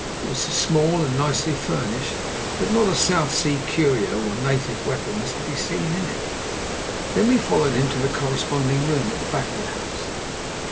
It was small and nicely furnished, but not a South Sea curio or native weapon was to be seen in it. Then we followed him to the corresponding room at the back of the house.